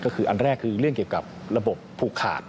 ก็คืออันแรกคือเรื่องเกี่ยวกับระบบผูกขาด